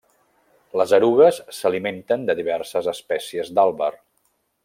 Les erugues s'alimenten de diverses espècies d'àlber.